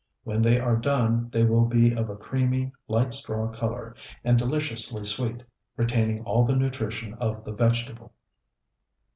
When they are done, they will be of a creamy, light straw color, and deliciously sweet, retaining all the nutrition of the vegetable.